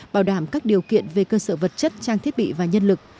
bảo đảm các điều kiện về cơ sở vật chất trang thiết bị và nhân lực